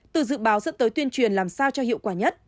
từ dự báo dẫn tới tuyên truyền làm sao cho hiệu quả nhất